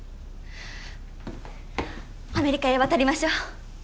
アメリカへ渡りましょう。